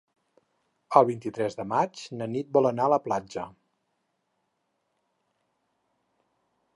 El vint-i-tres de maig na Nit vol anar a la platja.